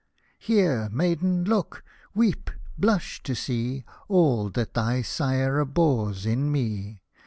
—" Here, maiden, look — weep — blush to see All that thy sire abhors in me